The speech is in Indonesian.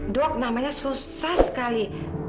dok namanya susah sekali